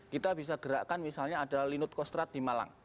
kita bisa gerakan misalnya ada linut kostrad di malang